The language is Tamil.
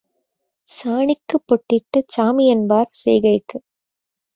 சாணிக்குப் பொட்டிட்டுச் சாமிஎன்பார் செய்கைக்கு